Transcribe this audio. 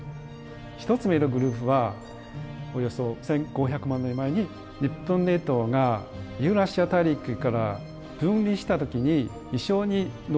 １つ目のグループはおよそ１，５００万年前に日本列島がユーラシア大陸から分離した時に一緒に乗ってきたもので